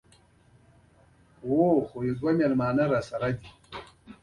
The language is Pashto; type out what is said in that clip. مشتری د رښتینې مشورې قدر کوي.